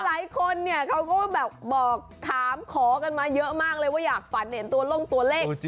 หลายคนเนี่ยเขาก็แบบบอกถามขอกันมาเยอะมากเลยว่าอยากฝันเห็นตัวลงตัวเลข